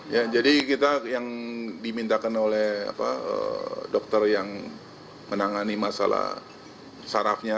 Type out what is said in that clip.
ya jadi kita yang dimintakan oleh dokter yang menangani masalah sarafnya